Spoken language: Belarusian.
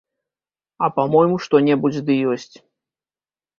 А, па-мойму, што-небудзь ды ёсць.